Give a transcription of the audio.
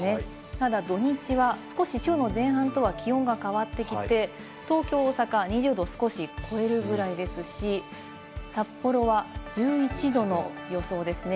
ただ土日は少し週の前半とは気温が変わってきて、東京、大阪は２０度を少し超えるぐらいですし、札幌は１１度の予想ですね。